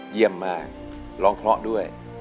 เยี่ยมมากร้องเพราะด้วย